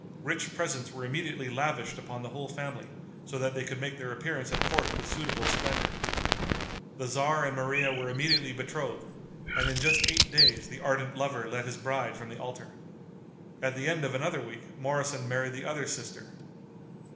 Rich presents were immediately lavished upon the whole family, so that they could make their appearance at court with suitable splendor. The tzar and Maria were immediately betrothed, and in just eight days the ardent lover led his bride from the altar. At the end of another week Moroson married the other sister.